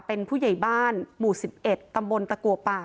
เป็นผู้ใหญ่บ้านหมู่๑๑ตำบลตะกัวป่า